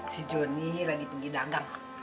si joni lagi pergi dagang